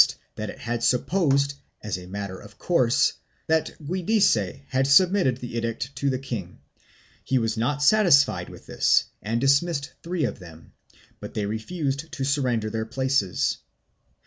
316 RELATIONS WITH THE CROWN [BOOK II that it had supposed, as a matter of course, that Giudice had sub mitted the edict to the king. He was not satisfied with this and dismissed three of them, but they refused to surrender their places.